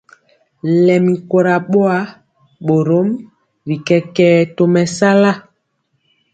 Lɛmi kora boa, borom bi kɛkɛɛ tɔ mesala.